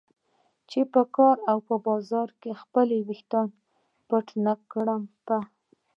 چې په کار او بازار کې خپل ویښتان پټ نه کړم. په